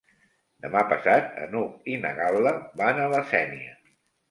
Demà passat n'Hug i na Gal·la van a la Sénia.